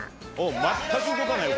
全く動かないよ